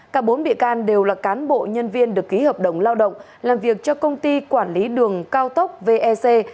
cả bốn bị can đều là cán bộ nhân viên được ký hợp đồng lao động làm việc cho công ty quản lý đường cao tốc vec